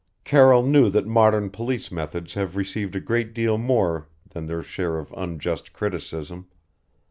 Carroll knew that modern police methods have received a great deal more than their share of unjust criticism.